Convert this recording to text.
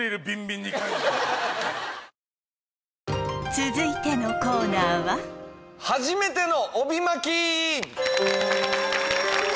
続いてのコーナーは「初めての帯巻き」！